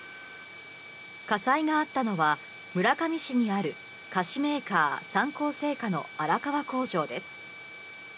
火災があったのは、村上市にある菓子メーカー、三幸製菓の荒川工場です。